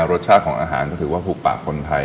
รสชาติของอาหารก็ถือว่าถูกปากคนไทย